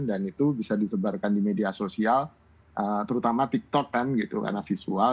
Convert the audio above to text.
dan itu bisa disebarkan di media sosial terutama tiktok kan karena visual